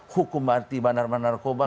hukum mati bandar bandar narkoba